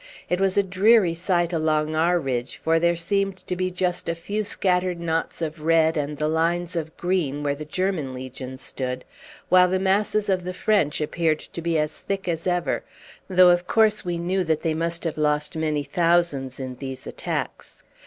It was a dreary sight along our ridge, for there seemed to be just a few scattered knots of red and the lines of green where the German Legion stood, while the masses of the French appeared to be as thick as ever, though of course we knew that they must have lost many thousands in these attacks.